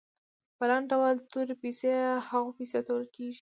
په لنډ ډول تورې پیسې هغو پیسو ته ویل کیږي.